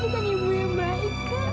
kamila bukan ibu yang baik kak